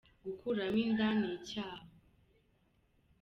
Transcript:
Gukuramo inda ni icyaha.